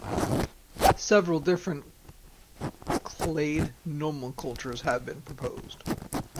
Several different clade nomenclatures have been proposed.